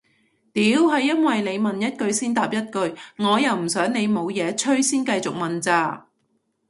屌係因為你問一句先答一句我又唔想你冇嘢吹先繼續問咋